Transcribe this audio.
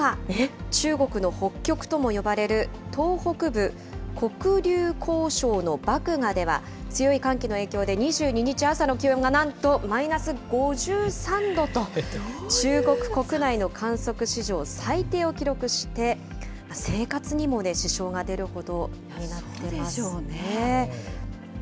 中国の北極とも呼ばれる東北部黒竜江省の漠河では、強い寒気の影響で２２日朝の気温がなんとマイナス５３度と、中国国内の観測史上最低を記録して、生活にも支障が出るほどになってますね。